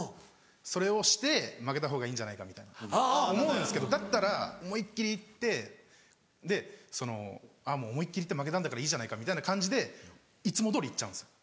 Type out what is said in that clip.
それをして負けたほうがいいんじゃないかみたいな思うんですけどだったら思いっ切り行って思いっ切り行って負けたんだからいいじゃないかみたいな感じでいつもどおり行っちゃうんですよ。